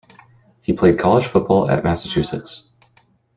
He played college football at Massachusetts.